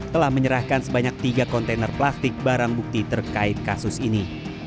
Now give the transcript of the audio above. telah menyerahkan sebanyak tiga kontainer plastik barang bukti terkait kasus ini